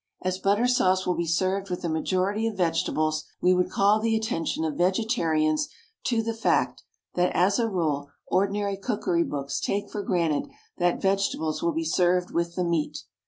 As butter sauce will be served with the majority of vegetables, we would call the attention of vegetarians to the fact that, as a rule, ordinary cookery books take for granted that vegetables will be served with the meat.